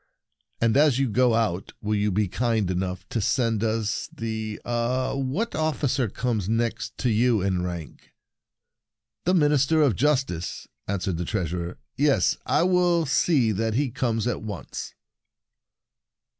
And, as you go out, will you be kind enough to send us the — ah, what officer comes next to you in rank?" "The Minister of Justice," answered the Treasurer ;" yes, I will see that he comes at once."